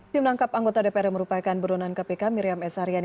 tim menangkap anggota dpr yang merupakan burunan kpk miriam s haryani